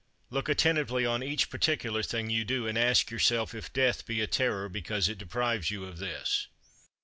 29. Look attentively on each particular thing you do, and ask yourself if death be a terror because it deprives you of this.